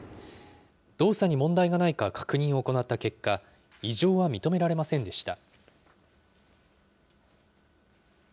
動作に問題がないか確認を行った結果、異常は認められませんでした。